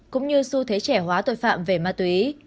cũng như xu thế trẻ hóa tội phạm về ma túy